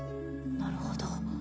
なるほど。